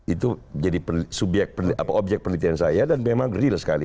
itu jadi objek penelitian saya dan memang real sekali